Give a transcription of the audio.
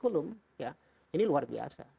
kursus ini luar biasa